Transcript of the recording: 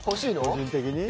個人的に？